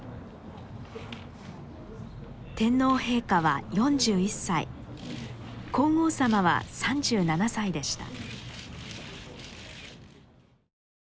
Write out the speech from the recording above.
天皇陛下は４１歳皇后さまは３７歳でした。